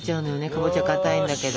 かぼちゃかたいんだけど。